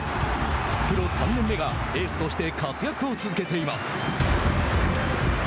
プロ３年目がエースとして活躍を続けています。